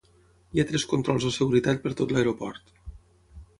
Hi ha tres controls de seguretat per tot l'aeroport.